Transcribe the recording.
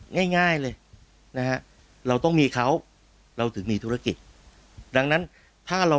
ง่ายง่ายเลยนะฮะเราต้องมีเขาเราถึงมีธุรกิจดังนั้นถ้าเรา